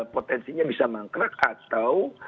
potensinya bisa mangkrak atau